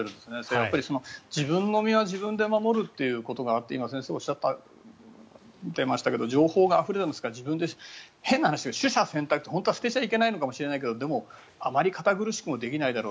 やっぱり自分の身は自分で守るというのがあって今、先生がおっしゃってましたが情報があふれてますから自分で変な話ですけど取捨選択捨てちゃいけないのかもしれないけどでも、あまり堅苦しくもできないだろう。